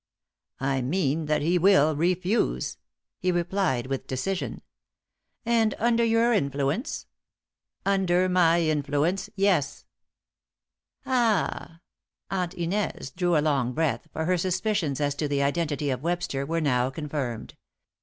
"I mean that he will refuse," he replied with decision. "And under your influence?" "Under my influence. Yes." "Ah!" Aunt Inez drew a long breath, for her suspicions as to the identity of Webster were now confirmed.